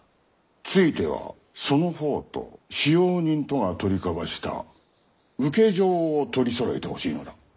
ついてはその方と使用人とが取り交わした請状を取りそろえてほしいのだ。